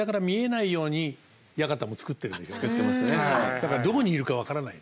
だからどこにいるか分からない。